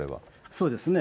そうですね。